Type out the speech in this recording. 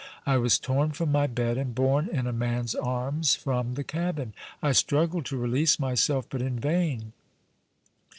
I was torn from my bed and borne in a man's arms from the cabin. I struggled to release myself, but in vain.